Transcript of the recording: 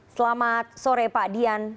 selamat sore pak dian